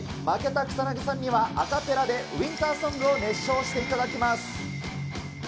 負けた草薙さんには、アカペラでウインターソングを熱唱していただきます。